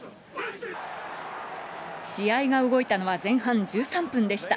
試合が動いたのは、前半１３分でした。